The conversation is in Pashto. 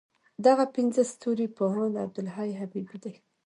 دغه پنځه ستوري پوهاند عبدالحی حبیبي دی.